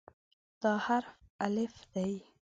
دا حرف "الف" دی.